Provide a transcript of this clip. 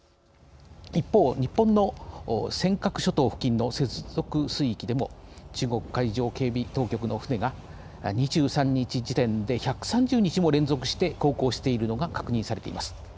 一方、日本の尖閣諸島付近の接続水域でも中国海上警備当局の船が２３日時点で１３０日も連続して航行しているのが確認されています。